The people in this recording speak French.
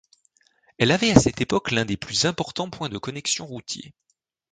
Elle avait à cette époque l'un des plus importants points de connexion routiers.